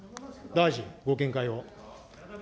大臣、ご見解を。